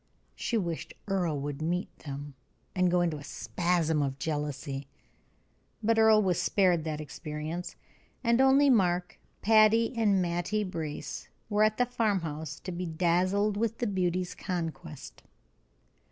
She wished Earle would meet them, and go into a spasm of jealousy. But Earle was spared that experience, and only Mark, Patty, and Mattie Brace were at the farm house, to be dazzled with the beauty's conquest.